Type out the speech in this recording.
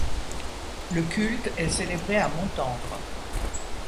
Le culte est célébré à Montendre.